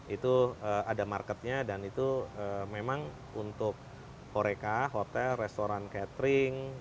itu ada marketnya dan itu memang untuk horeca hotel restoran catering